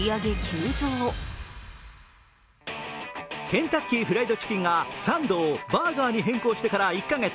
ケンタッキーフライドチキンが、サンドをバーガーに変更してから１か月。